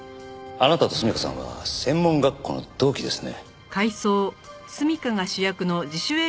あなたと純夏さんは専門学校の同期ですね。